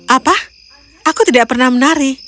apa aku tidak pernah menari